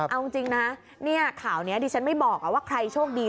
เอาจริงนะข่าวนี้ดิฉันไม่บอกว่าใครโชคดี